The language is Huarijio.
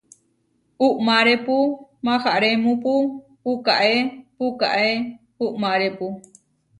Uʼmárepu maharémupu puʼkáe puʼkáe uʼmárepu.